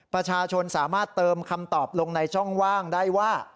ประชาชนสามารถเติมคำตอบลงในช่องว่างได้ว่า